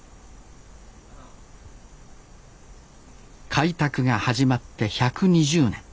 開拓が始まって１２０年。